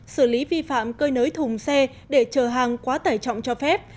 xử lý vi phạm cơi nới thùng xe để chờ hàng quá tải trọng cho phép